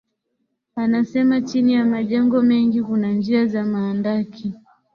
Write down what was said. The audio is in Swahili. Anasema chini ya majengo mengi kuna njia za mahandaki